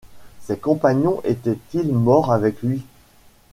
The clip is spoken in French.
Ses compagnons étaient-ils morts avec lui ?